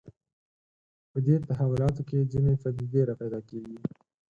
په دې تحولاتو کې ځینې پدیدې راپیدا کېږي